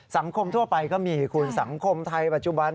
สังคมทั่วไปก็มีคุณสังคมไทยปัจจุบัน